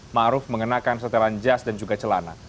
maruf mengenakan setelan jas dan juga celana